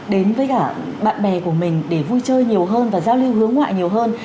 đến với cả bạn bè của mình để vui chơi nhiều hơn và giao lưu hướng ngoại nhiều hơn